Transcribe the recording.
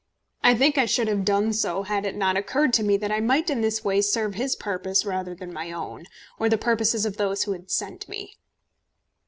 I think I should have done so had it not occurred to me that I might in this way serve his purpose rather than my own, or the purposes of those who had sent me.